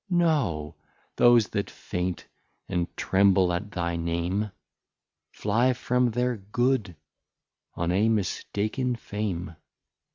No, those that faint and tremble at thy Name, Fly from their Good on a mistaken Fame.